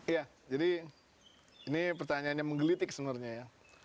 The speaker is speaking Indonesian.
iya jadi ini pertanyaannya menggelitik sebenarnya ya